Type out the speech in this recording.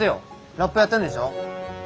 ラップやってんでしょ？